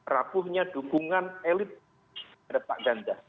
rapuhnya dukungan elit terhadap pak ganjar